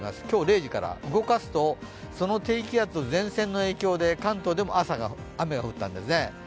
今日０時から動かすと、その低気圧と前線の影響で関東でも朝、雨が降ったんですね。